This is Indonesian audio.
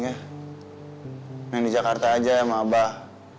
yang di jakarta aja sama abah